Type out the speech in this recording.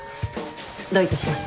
どういたしまして。